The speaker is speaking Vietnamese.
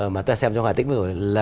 mà ta xem trong hải tĩnh vừa rồi là